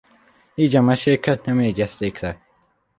Így a meséket nem jegyezték le.